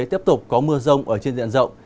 tiếp tục có mưa rông ở trên diện rộng